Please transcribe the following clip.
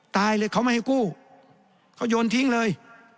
ตายเลยเขาไม่ให้กู้เขาโยนทิ้งเลย